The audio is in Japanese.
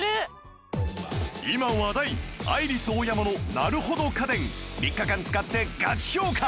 今話題アイリスオーヤマのなるほど家電３日間使ってガチ評価